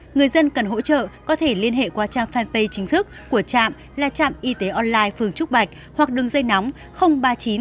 người dân cần hỗ trợ có thể liên hệ qua trang fanpage chính thức của chạm là chạm y tế online phường trúc bạch hoặc đường dây nóng ba mươi chín tám trăm tám mươi năm sáu nghìn tám trăm chín mươi hai